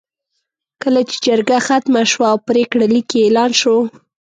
کله چې جرګه ختمه شوه او پرېکړه لیک یې اعلان شو.